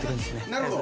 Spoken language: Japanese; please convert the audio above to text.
なるほど。